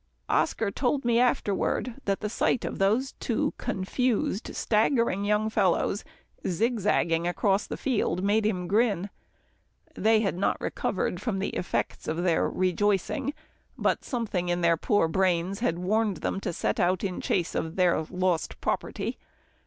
Oscar told me afterward that the sight of those two confused, staggering young fellows zig zagging across the field made him grin. They had not recovered from the effects of their rejoicing, but something in their poor brains had warned them to set out in chase of their lost property.